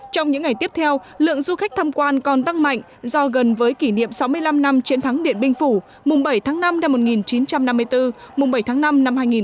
trong những ngày tiếp theo lượng du khách tham quan còn tăng mạnh do gần với kỷ niệm sáu mươi năm năm chiến thắng điện biên phủ mùng bảy tháng năm năm một nghìn chín trăm năm mươi bốn mùng bảy tháng năm năm hai nghìn hai mươi bốn